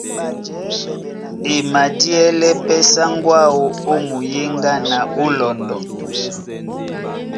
E madíɛlɛ́ pɛ́ sáŋgó áō ó muyéŋgá na ó lɔndɔ.